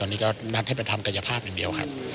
ก็ไม่ล่ะครับตอนนี้ก็นัดให้ไปทำกายภาพหนึ่งเดียวครับ